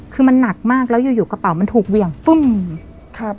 คือมันหนักมากแล้วอยู่อยู่กระเป๋ามันถูกเหวี่ยงปึ้มครับ